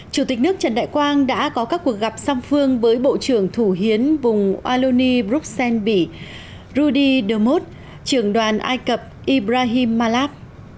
chủ tịch nước trần đại quang đã có các cuộc gặp song phương với bộ trưởng thủ hiến vùng walloni bruxelles bỉ rudi demos trưởng đoàn ai cập ibrahim malab